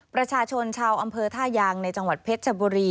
ประชาชนชาวอำเภอท่ายางในจังหวัดเพชรชบุรี